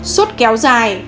một suốt kéo dài